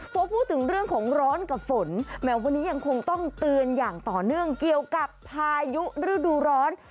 พอพูดถึงเรื่องของร้อนกับฝนแหมวันนี้ยังคงต้องเตือนอย่างต่อเนื่องเกี่ยวกับพายุฤดูร้อน